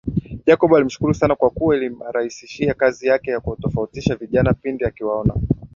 Jacob alimshukuru sana kwa kuwa ilimrahisishia kazi yake ya kuwatofautisha vijana pindi akiwaona